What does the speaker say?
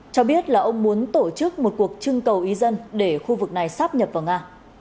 cho biết là ông muốn tổ chức một cuộc trưng cầu ý dân để khu vực này sắp nhập vào nga